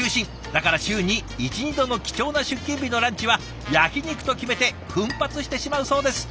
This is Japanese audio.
だから週に１２度の貴重な出勤日のランチは焼き肉と決めて奮発してしまうそうです。